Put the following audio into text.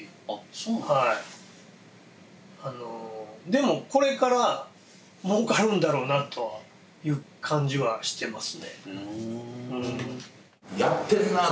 でもこれから儲かるんだろうなという感じはしてますね。